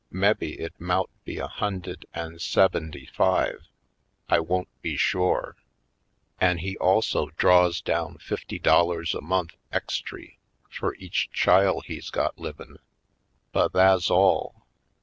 "Mebbe it mout be a hund'ed an' sebenty five, I won't be shore. An' he also draws down fifty dollars a month ex try fur each chile he's got livin'. But tha's all.